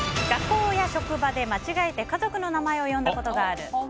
学校や職場で間違えて家族の名前を呼んだことがある。